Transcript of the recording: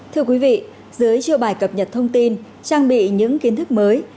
thưa quý vị dưới chiêu bài cập nhật thông tin trang bị những kiến thức mới